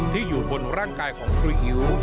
ที่อยู่บนร่างกายของครูอิ๋ว